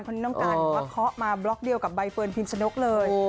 คนนี้น้องกาลก็เขามาบร็อคเบลกเดียวกับไบเฟิร์นพี่สนกเลย